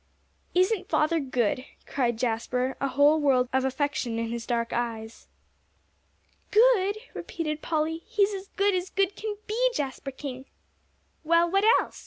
"Isn't father good!" cried Jasper, a whole world of affection in his dark eyes. "Good?" repeated Polly, "he's as good as good can be, Jasper King!" "Well, what else?"